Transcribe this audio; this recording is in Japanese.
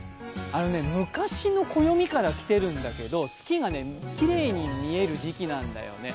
あのね、昔の暦からきてるんだけど、月がきれいに見える時期なんだよね。